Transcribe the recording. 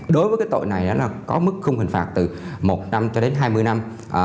đối với cái tội này là có mức khung hình phạt từ một năm cho đến hai mươi năm